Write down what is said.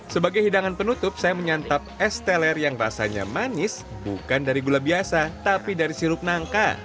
sebagai hidangan penutup saya menyantap es teler yang rasanya manis bukan dari gula biasa tapi dari sirup nangka